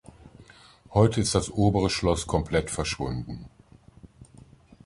Heute ist das Obere Schloss komplett verschwunden.